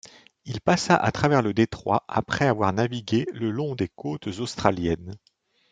Il passa à travers le détroit après avoir navigué le long des côtes australiennes.